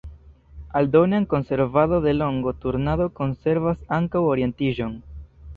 Aldone al konservado de longo, turnado konservas ankaŭ orientiĝon.